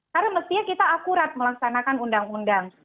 karena mestinya kita akurat melaksanakan undang undang